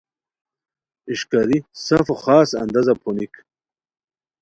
اݰکاری سفو خاص اندازا پھونیک